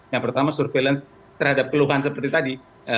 yang pertama surveillance terhadap keluhan seperti tadi